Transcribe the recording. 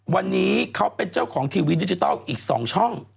วันนี้เขาเป็นเจ้าของทีวีดิจิทัลอีก๒ช่อง